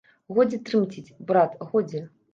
Годзе трымцець, брат, годзе!